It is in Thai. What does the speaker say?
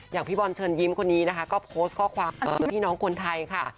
อย่างพี่บอลเชิญยิ้มคนนี้นะคะก็โพสต์ข้อความเสิร์ฟของพี่น้องคนไทยค่ะ